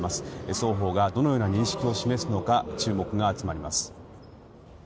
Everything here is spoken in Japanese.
双方がどのような認識を示すのか注目が集まります。